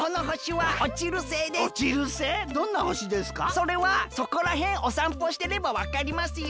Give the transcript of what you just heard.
それはそこらへんおさんぽしてればわかりますよ。